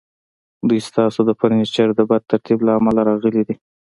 دوی ستاسو د فرنیچر د بد ترتیب له امله راغلي دي